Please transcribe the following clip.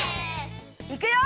いくよ！